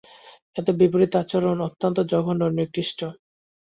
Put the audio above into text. এর বিপরীত আচরণ অত্যন্ত জঘন্য ও নিকৃষ্ট।